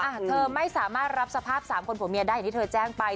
เธอไม่สามารถรับสภาพสามคนผัวเมียได้อย่างที่เธอแจ้งไป